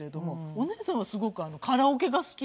お姉さんはすごくカラオケが好きで。